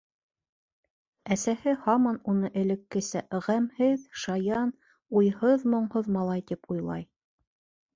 Әсәһе һаман уны элеккесә ғәмһеҙ, шаян, уйһыҙ-моңһоҙ малай тип уйлай.